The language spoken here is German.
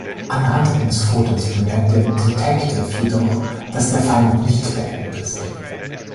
Anhand eines Fotos bemerkt der Detective jedoch, dass der Fall noch nicht beendet ist.